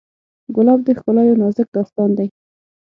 ګلاب د ښکلا یو نازک داستان دی.